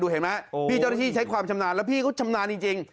เห็นไหมพี่เจ้าหน้าที่ใช้ความชำนาญแล้วพี่เขาชำนาญจริง